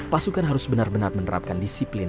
pasukan harus benar benar menerapkan disiplin